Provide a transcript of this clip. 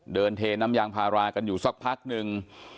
เทน้ำยางพารากันอยู่สักพักนึง